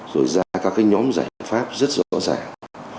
rồi ra các nhóm giải pháp rất rõ ràng